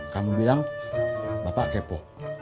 kamu bilang bapak kepo